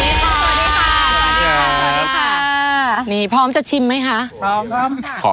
นี่พร้อมจะชิมไหมคะพร้อมค่ะ